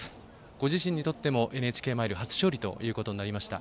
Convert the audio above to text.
ご自身にとってもＮＨＫマイルカップ初勝利ということになりました。